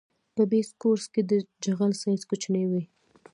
په بیس کورس کې د جغل سایز کوچنی وي